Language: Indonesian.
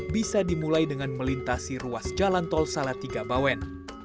bisa dimulai dengan melintasi ruas jalan tol salatiga bawen